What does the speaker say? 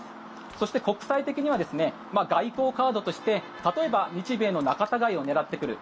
そして、国際的には外交カードとして例えば日米の仲たがいを狙ってくる。